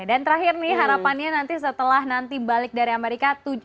dan terakhir nih harapannya nanti setelah nanti balik dari amerika